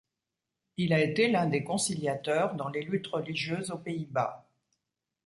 Il a été l’un des conciliateurs dans les luttes religieuses aux Pays-Bas.